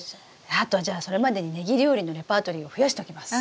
あとはじゃあそれまでにネギ料理のレパートリーを増やしときます。